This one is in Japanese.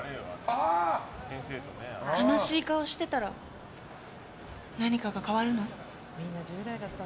悲しい顔してたら何かが変わるの？